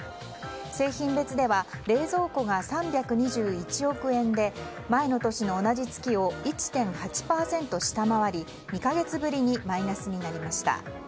製品別では冷蔵庫が３２１億円で前の年の同じ月を１．８％下回り２か月ぶりにマイナスになりました。